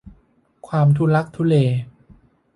ความทุลักทุเล